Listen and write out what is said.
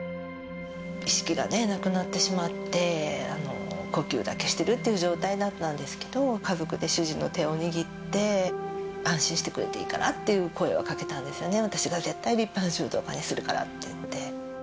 意識がなくなってしまって、呼吸だけしてるっていう状態になったんですけど、家族で主人の手を握って、安心してくれていいからっていう声はかけたんですよね、私が絶対、立派な柔道家にするからって言って。